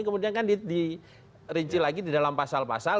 kemudian kan dirinci lagi di dalam pasal pasal